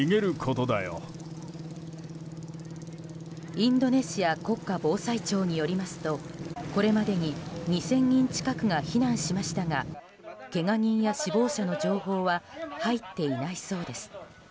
インドネシア国家防災庁によりますとこれまでに２０００人近くが避難しましたがけが人や死亡者の情報は入っていないそうです。